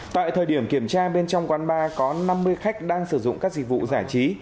tại thời điểm kiểm tra bên trong quán bar có năm mươi khách đang sử dụng các dịch vụ giải trí